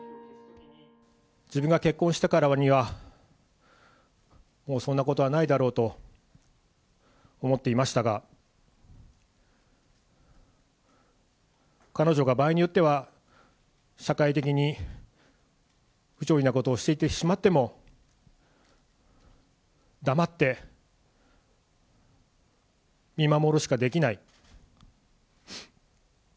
自分が結婚したからには、もうそんなことはないだろうと思っていましたが、彼女が場合によっては、社会的に不条理なことをしてしまっても、黙って見守るしかできない。